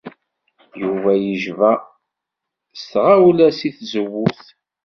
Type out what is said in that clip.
Yuba yejba s tɣawla seg tzewwut.